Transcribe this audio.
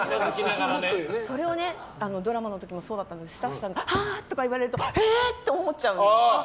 それをドラマの時もそうだったんですけどああ！とか言われるとええ！？って思っちゃうの。